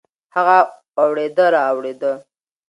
هغه اوړېده رااوړېده.